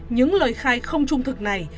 những lời khai không trung thực này